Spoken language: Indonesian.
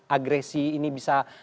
agresi ini bisa